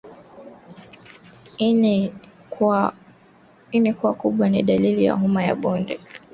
Ini kuwa kubwa ni dalili za homa ya bonde la ufa kwa mnyama aliyekufa